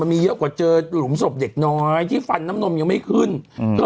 มีเยอะกว่าเจอหลุมศพเด็กน้อยที่ฟันน้ำนมยังไม่ขึ้นอืมเธอ